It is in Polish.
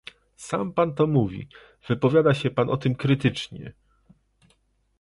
Sam pan to mówi, wypowiada się pan o tym krytycznie